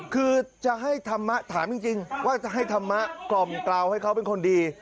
คือจะให้ธรรมะถามจริงว่าจะให้ธรรมะกล่อมกล่าวให้เขาเป็นคนดี